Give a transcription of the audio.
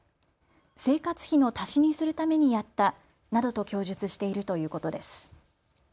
生活費の足しにするためにやったなどと供述しているということです。